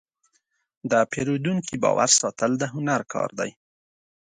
د پیرودونکي باور ساتل د هنر کار دی.